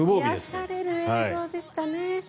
癒やされる映像でしたね。